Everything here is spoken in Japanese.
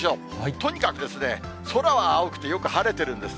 とにかくですね、空は青くてよく晴れてるんです。